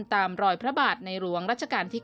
ตามรอยพระบาทในหลวงรัชกาลที่๙